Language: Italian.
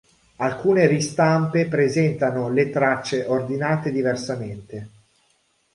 Alcune ristampe presentano le tracce ordinate diversamente.